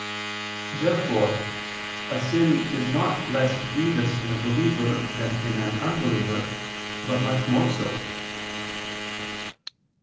Therefore a sin is not less grievous in a believer than in an unbeliever, but much more so.